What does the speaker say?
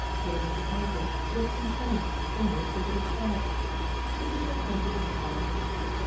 Little Mrs. Hamilton looked concerned, almost a little sad. Patricia turned to Gustave.